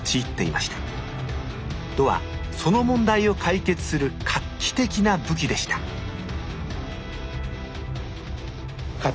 弩はその問題を解決する画期的な武器でしたそうですよね。